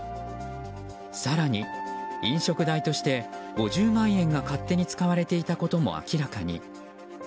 更に、飲食代として５０万円が勝手に使われていたことも明らかに。